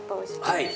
はい。